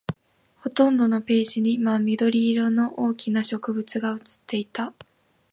ほとんどのページに真緑色の大きな植物が写っていた